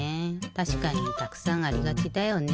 たしかにたくさんありがちだよね。